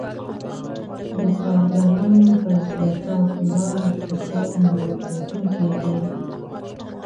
د کارګرانو پر زبېښاک ولاړ اقتصاد نوښت ځپونکی دی